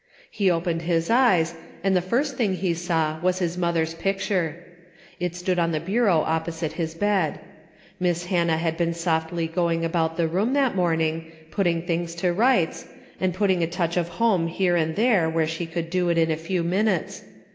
He opened his eyes, and the first thing he saw was his mother's picture. It stood on the bureau opposite his bed. Miss Hannah had been softly going about the room that morning, putting things to rights, and putting a touch of home here and there where she could do it in a few minutes.